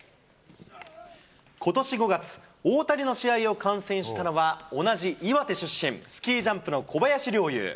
ことし５月、大谷の試合を観戦したのは、同じ岩手出身、スキージャンプの小林陵侑。